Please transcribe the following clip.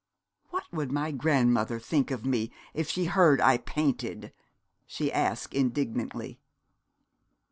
'What would my grandmother think of me if she heard I painted?' she asked, indignantly.